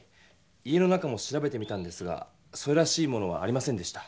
家の中も調べてみたんですがそれらしいものはありませんでした。